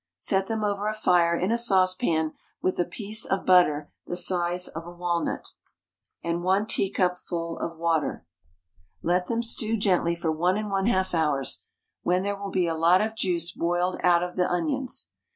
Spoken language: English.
Set them over a fire in a saucepan with a piece of butter the size of a walnut, and 1 teacupful of water; let them stew gently for 1 1/2 hours, when there will be a lot of juice boiled out of the onions.